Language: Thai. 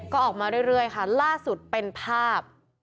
ก็ออกมาเรื่อยค่ะล่าสุดเป็นภาพ